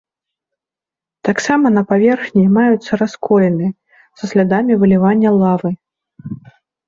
Таксама на паверхні маюцца расколіны, са слядамі вылівання лавы.